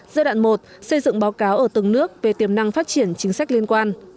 giai đoạn một xây dựng báo cáo ở từng nước về tiềm năng phát triển chính sách liên quan